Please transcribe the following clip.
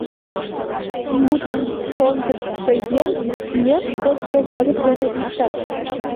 Мутым кондыштшо еҥ меж кочшо вольык дене иктак.